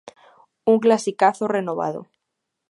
Un clasicazo renovado.